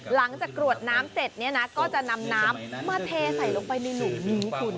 กรวดน้ำเสร็จเนี่ยนะก็จะนำน้ำมาเทใส่ลงไปในหลุมนี้คุณ